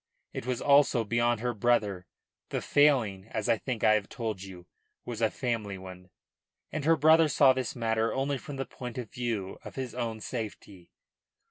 It was also beyond her brother the failing, as I think I have told you, was a family one and her brother saw this matter only from the point of view of his own safety.